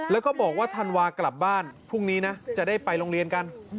แล้วก็บอกว่าธันวากลับบ้านพรุ่งนี้นะจะได้ไปโรงเรียนกัน